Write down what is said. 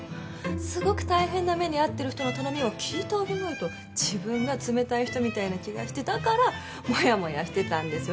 すごく大変な目に遭ってる人の頼みを聞いてあげないと自分が冷たい人みたいな気がしてだからモヤモヤしてたんですよ。